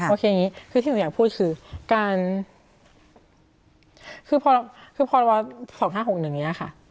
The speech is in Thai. โอเคคือที่หนูอยากพูดคือการคือพร๒๕๖๑เนี่ยค่ะ